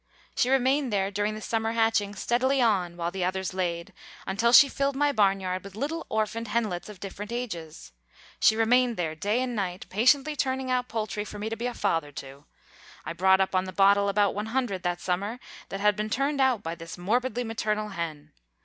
She remained there during the summer hatching steadily on while the others laid, until she filled my barnyard with little orphaned henlets of different ages. She remained there night and day, patiently turning out poultry for me to be a father to. I brought up on the bottle about one hundred that summer that had been turned out by this morbidly maternal hen.